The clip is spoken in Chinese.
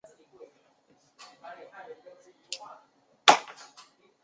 可作为食用鱼和观赏鱼。